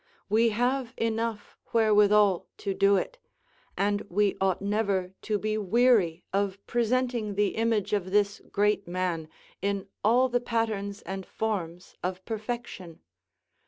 We have enough wherewithal to do it, and we ought never to be weary of presenting the image of this great man in all the patterns and forms of perfection.